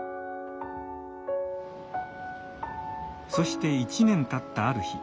そして１年たったある日。